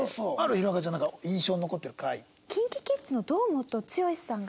弘中ちゃんなんか印象に残ってる回。